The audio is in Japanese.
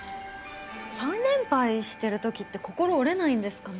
３連敗してる時って心折れないんですかね。